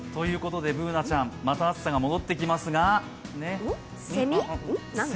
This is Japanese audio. Ｂｏｏｎａちゃん、また暑さが戻ってきますがせみ？